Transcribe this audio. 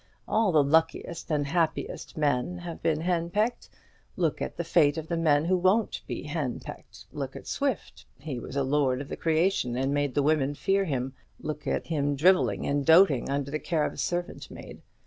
All the luckiest and happiest men have been henpecked. Look at the fate of the men who won't be henpecked. Look at Swift: he was a lord of the creation, and made the women fear him; look at him drivelling and doting under the care of a servant maid.